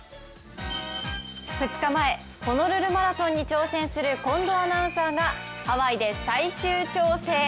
２日前、ホノルルマラソンに挑戦する近藤アナウンサーがハワイで最終調整。